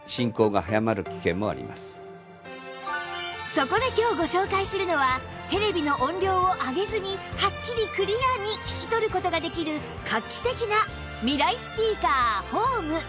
そこで今日ご紹介するのはテレビの音量を上げずにはっきりクリアに聞き取る事ができる画期的なミライスピーカーホーム